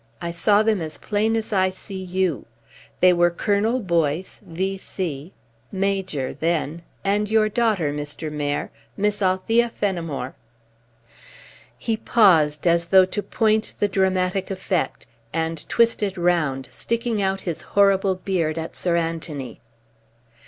I saw them as plain as I see you. They were Colonel Boyce, V.C., Major then and your daughter, Mr. Mayor, Miss Althea Fenimore." He paused as though to point the dramatic effect, and twisted round, sticking out his horrible beard at Sir Anthony.